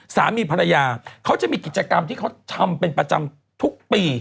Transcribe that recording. สามีภรรยาเขาจะมีกิจกรรมที่เขาทำเป็นประจำทุกปี